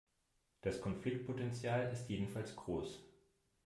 Das Konfliktpotenzial ist jedenfalls groß.